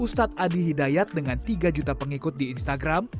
ustadz adi hidayat dengan tiga juta pengikut di instagram